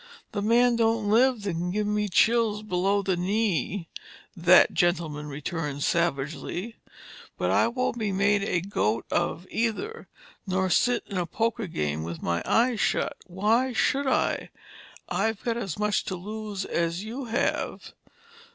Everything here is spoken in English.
The man don't live that can give me chills below the knee," that gentleman returned savagely. "But I won't be made a goat of either, nor sit in a poker game with my eyes shut. Why should I? I've got as much to lose as you have."